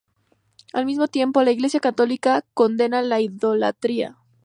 Al mismo tiempo, la Iglesia católica condena la idolatría.